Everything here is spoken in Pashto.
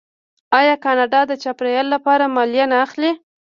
آیا کاناډا د چاپیریال لپاره مالیه نه اخلي؟